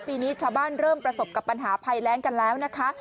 ปีนี้ชาวบ้านเริ่มประสบกับปัญหาภัยแรงกันแล้วนะคะ